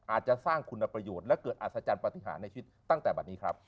อาจจะสร้างคุณประโยชน์และเกิดอัศจรรย์ปฏิหารในชีวิตตั้งแต่บัตรนี้ครับ